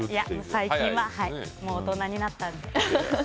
最近はもう大人になったので。